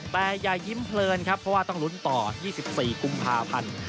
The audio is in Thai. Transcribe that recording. แต่อย่ายิ้มเพลินครับเพราะว่าต้องลุ้นต่อ๒๔กุมภาพันธ์